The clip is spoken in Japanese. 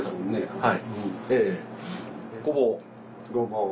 はい。